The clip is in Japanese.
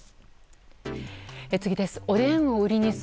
次です。